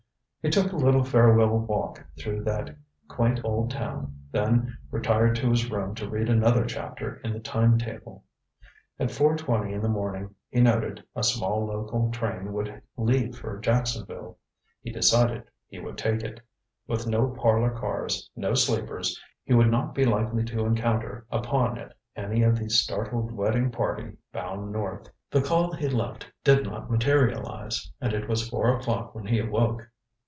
He took a little farewell walk through that quaint old town, then retired to his room to read another chapter in the time table. At four twenty in the morning, he noted, a small local train would leave for Jacksonville. He decided he would take it. With no parlor cars, no sleepers, he would not be likely to encounter upon it any of the startled wedding party bound north. The call he left did not materialize, and it was four o'clock when he awoke.